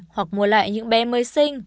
hoặc mua lại những bé mới sinh